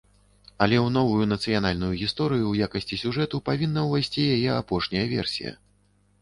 Але ў новую нацыянальную гісторыю ў якасці сюжэту павінна ўвайсці яе апошняя версія.